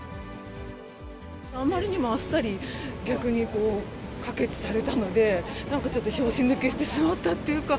あまりにもあっさり、逆に可決されたので、なんかちょっと拍子抜けしてしまったっていうか。